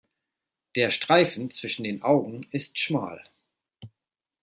Der Streifen zwischen den Augen ist schmal.